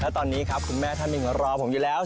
และตอนนี้ครับคุณแม่ท่านหนึ่งรอผมอยู่แล้ว